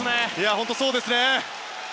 本当にそうですね。